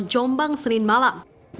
jombang senin malam